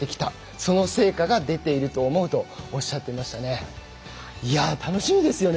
その成果が出ていると思うとおっしゃっていましたね。